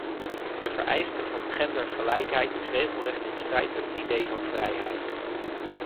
De vereiste van gendergelijkheid is regelrecht in strijd met de idee van vrijheid.